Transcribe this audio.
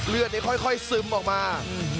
เลือดค่อยซึมออกมา